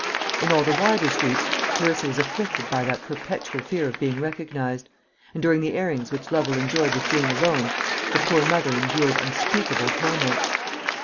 In all the wider streets Clarissa was afflicted by that perpetual fear of being recognised; and during the airings which Lovel enjoyed with Jane alone the poor mother endured unspeakable torments.